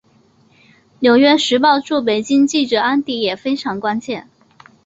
纽约时报驻北京记者安迪也非常关切。